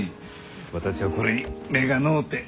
私はこれに目がのうて。